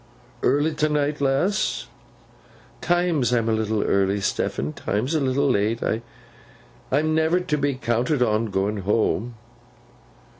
'Early t'night, lass?' ''Times I'm a little early, Stephen! 'times a little late. I'm never to be counted on, going home.